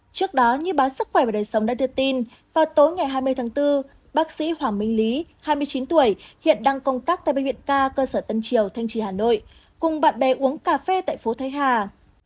trước đó như báo sức khỏe và đời sống đã đưa tin vào tối ngày hai mươi tháng bốn bác sĩ hoàng minh lý hai mươi chín tuổi hiện đang công tác tại bệnh viện ca cơ sở tân triều thanh trì hà nội cùng bạn bè uống cà phê tại phố thái hà